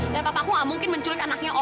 dan papaku nggak mungkin menculik anaknya om